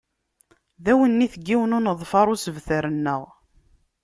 D awennit n yiwen uneḍfar usebter-nneɣ.